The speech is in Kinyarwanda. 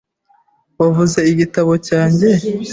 Wavuze igitabo cyanjye?